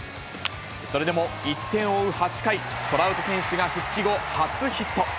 それでも１点を追う８回、トラウト選手が復帰後、初ヒット。